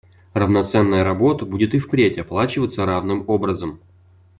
Равноценная работа будет и впредь оплачиваться равным образом.